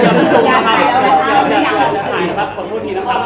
เพื่อที่จะให้ทนายค่วยในการจัดการทีต่อไป